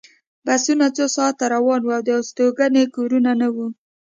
بسونه څو ساعته روان وو او د استوګنې کورونه نه وو